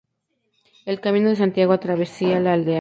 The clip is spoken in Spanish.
El camino de Santiago atraviesa la aldea.